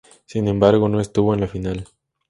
Sin embargo no estuvo en la final.